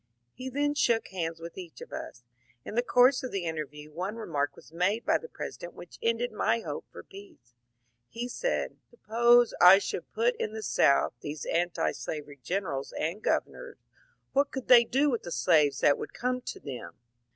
He then shook hands with each of us. In the course of the interview one remark was made by the President which ended my hope for peace. He said, ^^ Suppose I should put in tJie South these antislavery generals mid governors^ what could they do with the slaves that wovld come to them